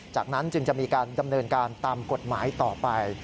จากนั้นจึงจะมีการดำเนินการตามกฎหมายต่อไป